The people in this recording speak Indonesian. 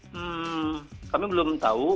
hmm kami belum tahu